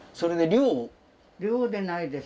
寮でないです。